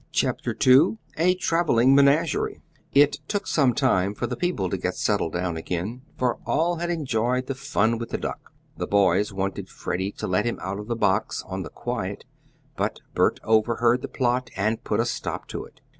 CHAPTER II A TRAVELING MENAGERIE It took some time for the people to get settled down again, for all had enjoyed the fun with the duck. The boys wanted Freddie to let him out of the box, on the quiet, but Bert overheard the plot and put a stop to it.